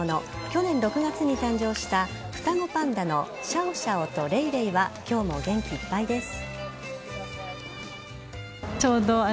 去年６月に誕生した双子パンダのシャオシャオとレイレイは今日も元気いっぱいです。